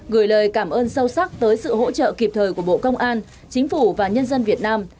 gửi lời cảm ơn sâu sắc tới sự hỗ trợ kịp thời của bộ công an chính phủ và nhân dân việt nam